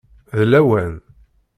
D lawan!